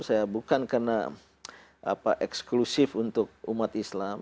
saya bukan karena eksklusif untuk umat islam